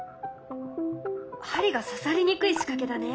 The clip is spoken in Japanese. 針がささりにくい仕掛けだね。